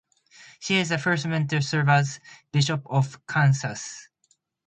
She is the first woman to serve as bishop of Kansas.